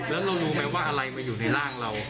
แล้วเรารู้ไหมว่าอะไรมาอยู่ในร่างเรา